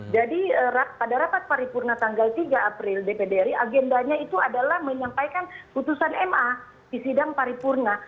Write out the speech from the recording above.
jadi pada rapat paripurna tanggal tiga april dpdri agendanya itu adalah menyampaikan keputusan ma di sidang paripurna